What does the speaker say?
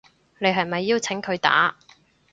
你係咪邀請佢打